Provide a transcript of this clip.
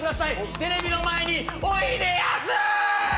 テレビの前においでやす！！